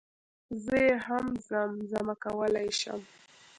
زه يي هم زم زمه کولی شم